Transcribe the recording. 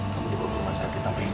kamu dibawa ke rumah sakit tanpa izin